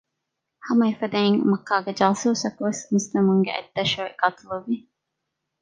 ހަމައެފަދައިން މައްކާގެ ޖާސޫސަކުވެސް މުސްލިމުންގެ އަތްދަށުވެ ޤަތުލުވި